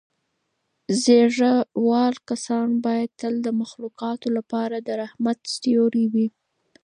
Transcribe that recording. ږیره وال کسان باید تل د مخلوقاتو لپاره د رحمت سیوری وي.